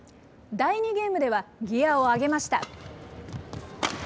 第２ゲームでは、ギアを上げました。